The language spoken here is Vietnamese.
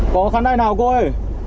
có khán đài nào cô ơi